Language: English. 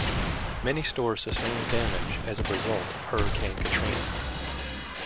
Many stores sustained damage as a result of Hurricane Katrina.